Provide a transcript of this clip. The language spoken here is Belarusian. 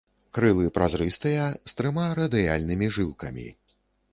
Крылы празрыстыя з трыма радыяльнымі жылкамі.